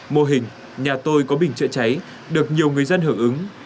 mô hình nhà tôi có bình chữa cháy được nhiều người dân hưởng ứng